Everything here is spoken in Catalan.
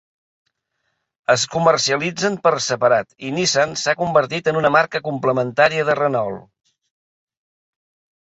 Es comercialitzen per separat i Nissan s'ha convertit en una marca complementària de Renault.